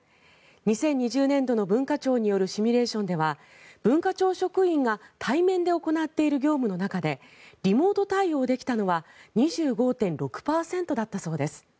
２０２０年度の文化庁によるシミュレーションでは文化庁職員が対面で行っている業務の中でリモート対応できたのは２５．６％だったそうです。